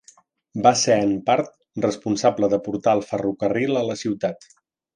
Va ser en part responsable de portar el ferrocarril a la ciutat.